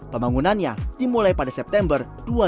pembangunannya dimulai pada september dua ribu lima belas